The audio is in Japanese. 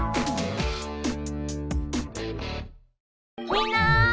みんな！